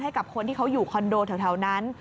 ให้กับคนที่เขาอยู่คอนโดแถวนั้น